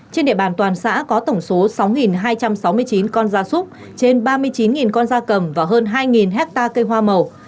trên địa bàn toàn xã có tổng số sáu hai trăm sáu mươi chín con da súc trên ba mươi chín con da cầm và hơn hai hectare cây hoa màu